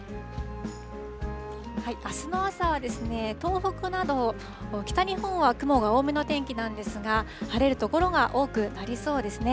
あすの朝は、東北など北日本は雲が多めの天気なんですが、晴れる所が多くなりそうですね。